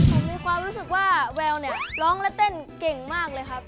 ผมมีความรู้สึกว่าแววเนี่ยร้องและเต้นเก่งมากเลยครับ